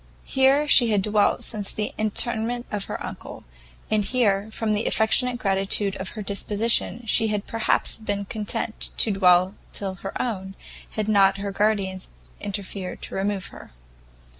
Here she had dwelt since the interment of her uncle; and here, from the affectionate gratitude of her disposition, she had perhaps been content to dwell till her own, had not her guardians interfered to remove her.